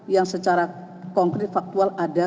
yang secara konkret faktual ada